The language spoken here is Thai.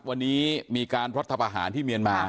วันนี้มีการรัฐประหารที่เมียนมา